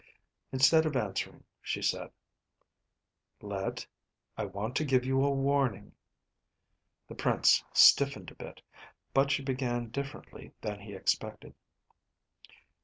Instead of answering, she said, "Let, I want to give you a warning." The prince stiffened a bit, but she began differently than he expected.